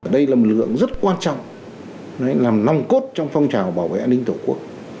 đây là một lượng rất quan trọng làm lòng cốt trong phong trào bảo vệ an ninh tổ quốc